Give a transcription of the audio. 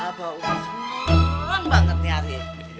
apa umi senang banget nih hari ini